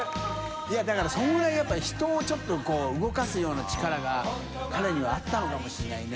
いだからそのぐらいやっぱ人をちょっとこう阿垢茲Δ蔑呂彼にはあったのかもしれないね。